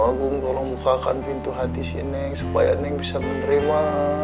agung tolong bukakan pintu hati sini supaya neng bisa menerima